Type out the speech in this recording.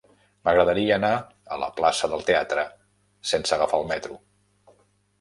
M'agradaria anar a la plaça del Teatre sense agafar el metro.